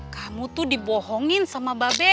kamu tuh dibohongin sama babe